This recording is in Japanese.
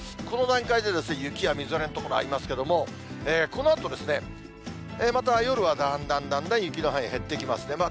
この段階で、雪やみぞれの所がありますけども、このあとまた夜はだんだんだんだん、雪の範囲が減っていきますね。